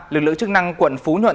lực lượng chức năng quận phú nhuận